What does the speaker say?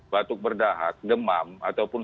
batuk berdahak gemam ataupun